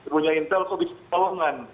punya intel sobi kekelongan